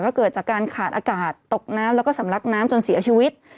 ก็เกิดจากการขาดอากาศตกน้ำแล้วก็สำลักน้ำจนเสียชีวิต